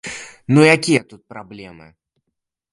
Ну якія тут праблемы?